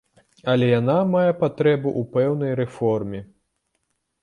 Але яна мае патрэбу ў пэўнай рэформе.